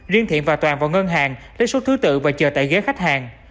riêng thiện và toàn vào ngân hàng lấy số thứ tự và chờ tại ghế khách hàng